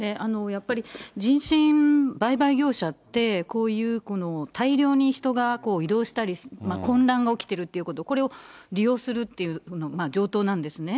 やっぱり人身売買業者って、こういう大量に人が移動したり、混乱が起きているっていうこと、これを利用するっていうのが上等なんですね。